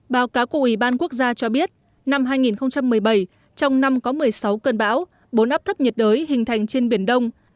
báo cáo của ủy ban quốc gia cho biết năm hai nghìn một mươi bảy trong năm có một mươi sáu cơn bão bốn áp thấp nhiệt đới hình thành trên biển đông